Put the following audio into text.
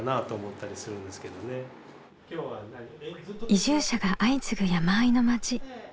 移住者が相次ぐ山あいの町。